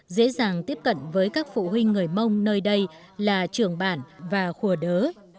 dễ dàng tiếp cận với các phụ huynh người mông nơi đây là trường bản và khùa đớ